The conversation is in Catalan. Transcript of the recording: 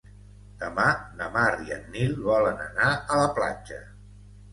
Demà na Mar i en Nil volen anar a la platja.